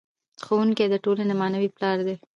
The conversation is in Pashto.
ښوونکی د ټولنې معنوي پلار دی.